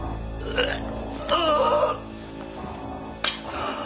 うっ。